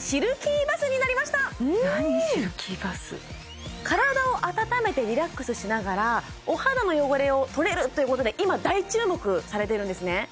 シルキーバス体を温めてリラックスしながらお肌の汚れを取れるということで今大注目されてるんですね